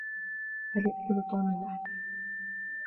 هل يأكل توم اللحم؟